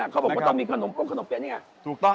เขาบอกว่าต้องมีขนมองขนมเปี๊นี่ไงถูกต้อง